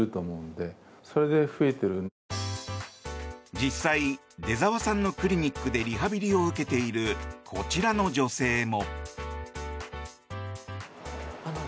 実際、出沢さんのクリニックでリハビリを受けているこちらの女性も。